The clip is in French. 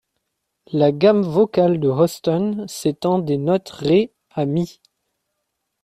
La gamme vocale de Hoston s'étend des notes Ré à Mi.